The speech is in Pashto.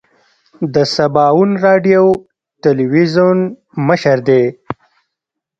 د سباوون راډیو تلویزون مشر دی.